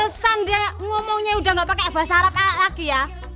pantesan dia ngomongnya udah gak pakai bahasa arab elak lagi ya